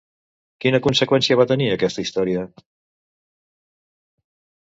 Quina conseqüència va tenir aquesta història?